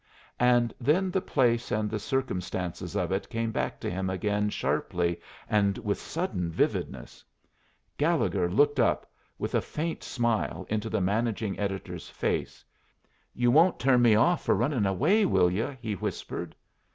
And then the place and the circumstances of it came back to him again sharply and with sudden vividness. Gallegher looked up, with a faint smile, into the managing editor's face. "You won't turn me off for running away, will you?" he whispered.